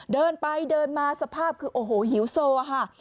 เดินไปเดินมาสภาพคือโอ้โหหิวโซค่ะ